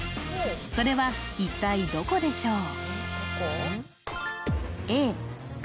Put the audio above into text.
それは一体どこでしょう？